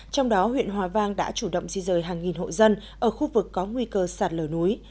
trong đó huyện hòa vang đã chủ động di rời hàng nghìn hộ dân ở khu vực có nguy cơ sạt lở núi